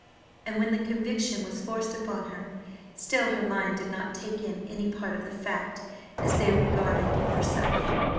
And when the conviction was forced upon her, still her mind did not take in any part of the facts, as they regarded herself.